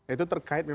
itu terkait dengan